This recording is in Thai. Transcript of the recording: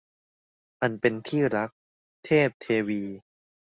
อันเป็นที่รัก - เทพเทวี